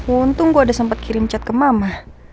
untung gue udah sempat kirim chat ke mama